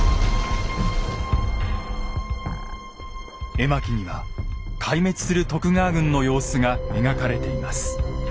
絵巻には壊滅する徳川軍の様子が描かれています。